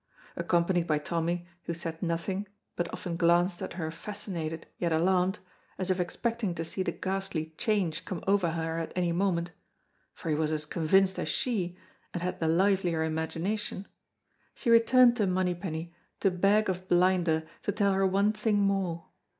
Accompanied by Tommy, who said nothing, but often glanced at her fascinated yet alarmed, as if expecting to see the ghastly change come over her at any moment for he was as convinced as she, and had the livelier imagination she returned to Monypenny to beg of Blinder to tell her one thing more.